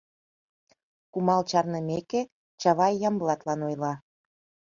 Кумал чарнымеке, Чавай Ямблатлан ойла: